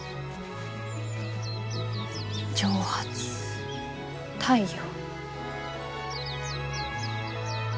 蒸発太陽。